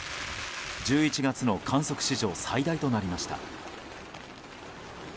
１１月の観測史上最大となりました。